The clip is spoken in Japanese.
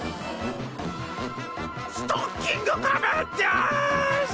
ストッキング仮面です！